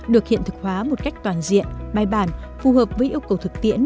được hiện thực hóa một cách toàn diện bài bản phù hợp với yêu cầu thực tiễn